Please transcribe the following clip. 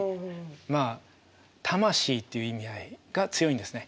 まあ「魂」という意味合いが強いんですね。